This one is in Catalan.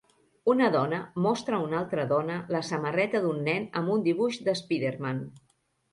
Una dona mostra a una altra dona la samarreta d'un nen amb un dibuix d'Spider-Man.